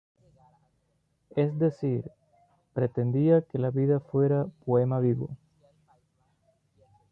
Es decir pretendía que la vida fuera poema vivo.